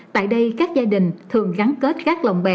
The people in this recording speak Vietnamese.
tại đây các gia đình thường gắn kết các lồng bè